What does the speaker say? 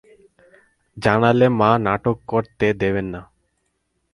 জানালে মা নাটক করতে দেবেন না।